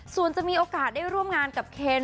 ส่วนจะมีโอกาสได้ร่วมงานกับเคน